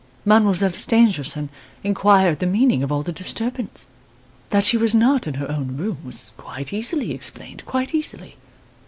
Mademoiselle Stangerson inquired the meaning of all the disturbance. That she was not in her own room was quite easily explained quite easily.